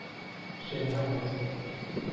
j'aimerai ta sœur.